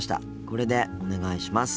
これでお願いします。